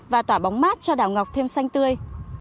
và tỏa bóng mát cho đảo ngọc thêm xanh tươi